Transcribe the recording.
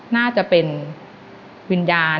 น่าจะเป็นวิญญาณ